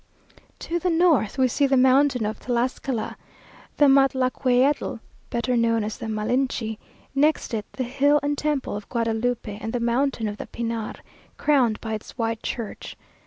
To the north we see the mountain of Tlascala, the Matlalcueyetl, better known as the Malinchi; next it the hill and temple of Guadalupe and the mountain of the Pinar, crowned by its white church.